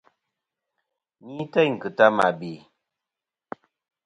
Ni têyn ki ta mà bè.